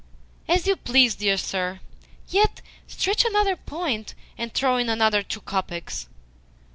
"As you please, dear sir. Yet stretch another point, and throw in another two kopecks."